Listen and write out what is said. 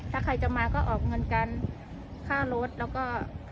ถ้าใครจะมาก็ออกเงินกันค่ารถแล้วก็